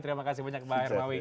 terima kasih banyak mbak hermawi